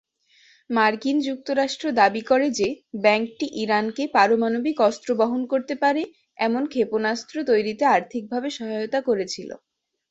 মার্কিন যুক্তরাষ্ট্র দাবি করে যে ব্যাংকটি ইরানকে পারমাণবিক অস্ত্র বহন করতে পারে এমন ক্ষেপণাস্ত্র তৈরিতে আর্থিকভাবে সহায়তা করেছিল।